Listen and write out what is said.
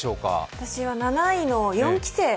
私は７位の四期生。